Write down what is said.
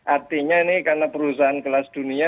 artinya ini karena perusahaan kelas dunia